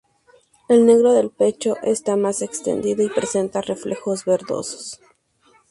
El negro del pecho está más extendido, y presenta reflejos verdosos.